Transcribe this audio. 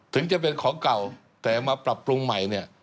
ถึงจะเป็นของเก่าแต่มาปรับปรุงใหม่เนี่ย